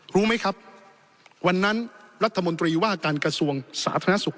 รู้ไหมครับวันนั้นรัฐมนตรีว่าการกระทรวงสาธารณสุข